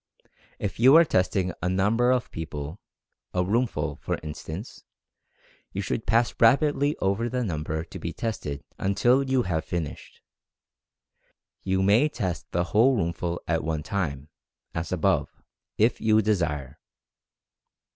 If you are testing a number of people — a roomful, for instance, you should pass rapidly over the number to be tested until you have finished. You may test the whole roomful at one time, as above, if you desire.